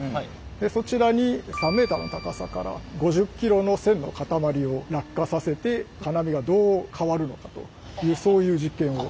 でそちらに３ｍの高さから５０ｋｇの線の塊を落下させて金網がどう変わるのかというそういう実験を。